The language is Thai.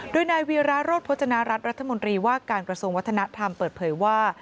โดยนายวีราโรธพจนารัฐรัฐมนตรีว่าการกระทรวงวัฒนธรรมเปิดเผยว่า